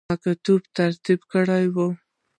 مکتوب ترتیب کړی وو.